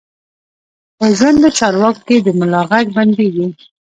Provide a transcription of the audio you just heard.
په ژوندو چارواکو د ملا غږ بندېږي.